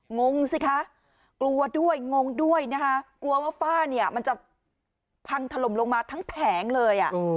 งงสิคะกลัวด้วยงงด้วยนะคะกลัวว่าฝ้าเนี่ยมันจะพังถล่มลงมาทั้งแผงเลย